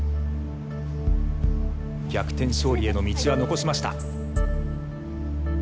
逆転勝利への道は残しました。